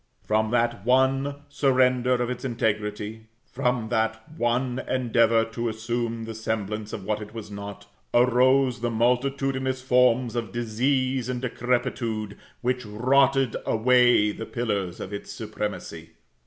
From that one surrender of its integrity, from that one endeavor to assume the semblance of what it was not, arose the multitudinous forms of disease and decrepitude, which rotted away the pillars of its supremacy.